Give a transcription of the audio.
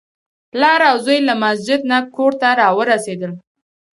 پلار او زوی له مسجد نه کور ته راورسېدل.